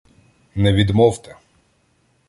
Не відмовте.